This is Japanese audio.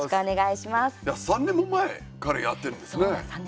３年も前からやってるんですね。